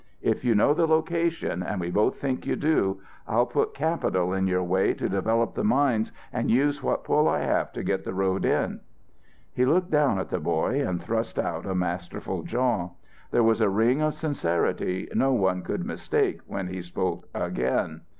If you know the location, and we both think you do, I'll put capital in your way to develop the mines and use what pull I have to get the road in." He looked down at the boy and thrust out a masterful jaw. There was a ring of sincerity no one could mistake when he spoke again.